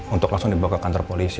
untuk langsung dibawa ke kantor polisi